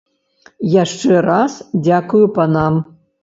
Яшчэ раз дзякую панам.